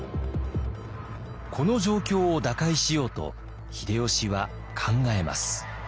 この状況を打開しようと秀吉は考えます。